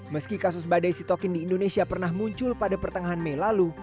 meski kasus badai sitokin di indonesia pernah muncul pada pertengahan mei lalu